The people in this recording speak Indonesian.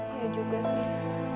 ya juga sih